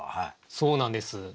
そうなんです。